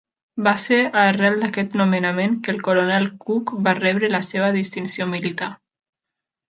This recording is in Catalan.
Va ser a arrel d'aquest nomenament que el coronel Cook va rebre la seva distinció militar.